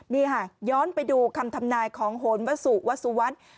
นี่ค่ะย้อนไปดูคำทำนายของโหนวสุวัสสุวัสดิ์